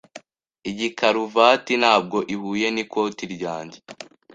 Iyi karuvati ntabwo ihuye n'ikoti ryanjye.